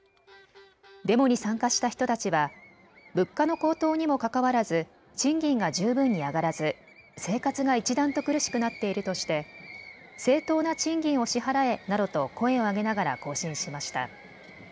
デモに参加した人たちは物価の高騰にもかかわらず賃金が十分に上がらず生活が一段と苦しくなっているとして、正当な賃金を支払えなどと声を上げながら行進しました。